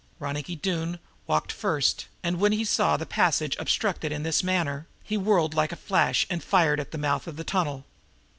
Ronicky Doone walked first, and, when he saw the passage obstructed in this manner, he whirled like a flash and fired at the mouth of the tunnel.